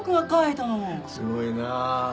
すごいな。